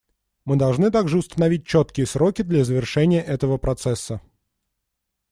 Мы должны также установить четкие сроки для завершения этого процесса.